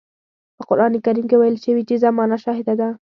په قرآن کريم کې ويل شوي چې زمانه شاهده ده.